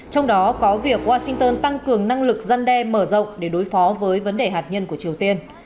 trong đó có việc washington tăng cường năng lực gian đe mở rộng để đối phó với vấn đề hạt nhân của triều tiên